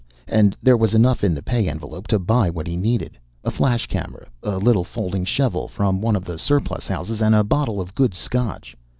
And there was enough in the pay envelope to buy what he needed a flash camera, a little folding shovel from one of the surplus houses, and a bottle of good scotch.